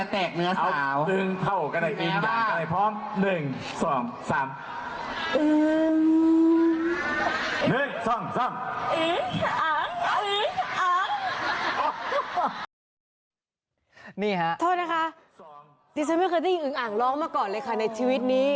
ที่ฉันไม่เคยได้ยินอึงอ่างร้องมาก่อนเลยค่ะในชีวิตนี้